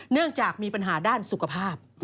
เนื่องจากมีปัญหาด้านสุขภาพ